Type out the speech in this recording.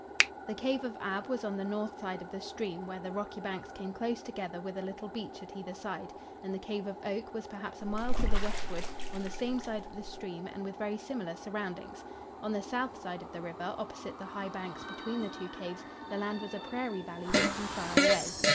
The cave of Ab was on the north side of the stream, where the rocky banks came close together with a little beach at either side, and the cave of Oak was perhaps a mile to the westward, on the same side of the stream and with very similar surroundings. On the south side of the river, opposite the high banks between the two caves, the land was a prairie valley reaching far away.